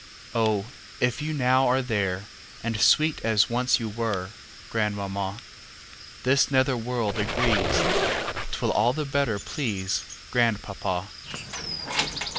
Oh, if you now are there, And sweet as once you were, Grandmamma, This nether world agrees'T will all the better pleaseGrandpapa.